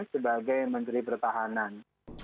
sebagai menteri pertahanan